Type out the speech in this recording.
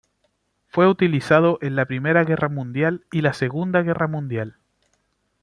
Fue utilizado en la Primera Guerra Mundial y la Segunda Guerra Mundial.